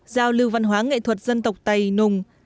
giao lưu văn hóa nghệ thuật dân tộc tây nùng